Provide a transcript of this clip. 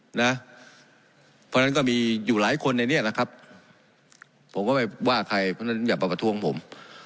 เพราะฉะนั้นก็มีอยู่หลายคนในนี้นะครับผมก็ไม่ว่าใครเพราะฉะนั้นอย่ามาประท้วงผม